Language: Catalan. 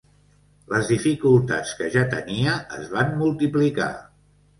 Les dificultats que ja tenia es van multiplicar.